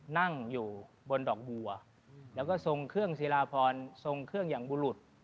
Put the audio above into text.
นั่งอยู่บนดอกบัวแล้วก็ทรงเครื่องศิลาพรทรงเครื่องอย่างบุรุษ